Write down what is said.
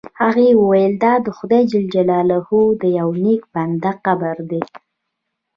هغه وویل دا د خدای جل جلاله د یو نیک بنده قبر دی.